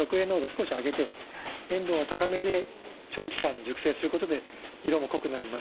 少し上げて塩分を高めで長期間熟成することで色も濃くなります。